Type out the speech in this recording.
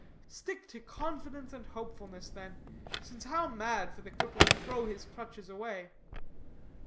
Stick to confidence and hopefulness, then, since how mad for the cripple to throw his crutches away.